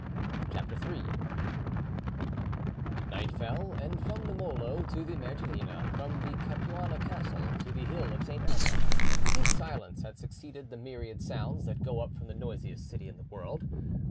CHAPTER III Night fell, and from the Molo to the Mergellina, from the Capuano Castle to the hill of St. Elmo, deep silence had succeeded the myriad sounds that go up from the noisiest city in the world.